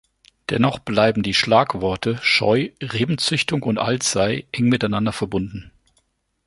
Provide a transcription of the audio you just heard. Dennoch bleiben die Schlagworte Scheu, Rebenzüchtung und Alzey eng miteinander verbunden.